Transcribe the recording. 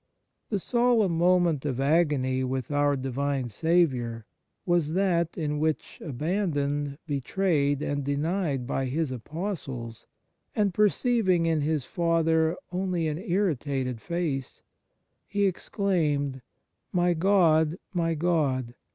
The solemn moment of agony with our Divine Saviour was that in which, abandoned, betrayed, and denied by His Apostles, and perceiving in His Father only an irritated face, He exclaimed, " My God! My God!